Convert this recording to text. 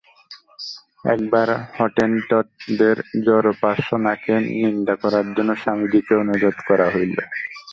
একবার হটেনটটদের জড়োপাসনাকে নিন্দা করার জন্য স্বামীজীকে অনুরোধ করা হইল।